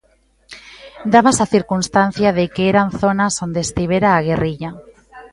Dábase a circunstancia de que eran zonas onde estivera a guerrilla.